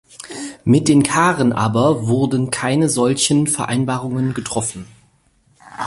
Mit den Karen aber wurden keine solchen Vereinbarungen getroffen.